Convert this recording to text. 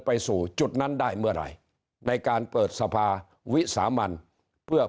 ไปสู่จุดนั้นได้เมื่อไหร่ในการเปิดสภาวิสามันเพื่อ